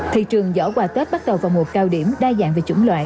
thị trường giỏ quà tết bắt đầu vào một cao điểm đa dạng về chủng loại